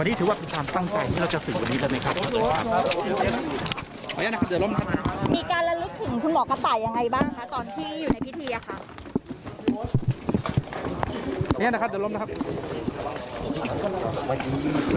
พี่พี่บอกได้บอกพูดอะไรกับหมอกต่างก็ได้ครับ